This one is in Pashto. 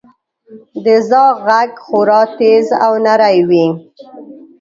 • د زاغ ږغ خورا تیز او نری وي.